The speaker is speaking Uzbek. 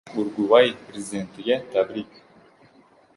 Urugvay Prezidentiga tabrik